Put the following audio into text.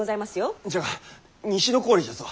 じゃが西郡じゃぞ！